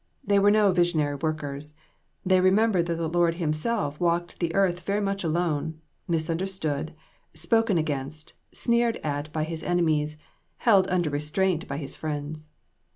They were no visionary workers. They remembered that the Lord himself walked the earth very much alone misunderstood, spoken against, sneered at by his enemies, held under restraint by his friends.